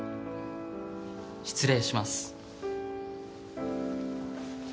失礼します。